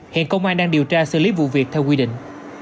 hiện công an đang điều tra xử lý vụ việc theo quy định